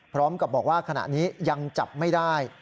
พร้อมกับบอกว่าขณะนี้ยังจับไม่ได้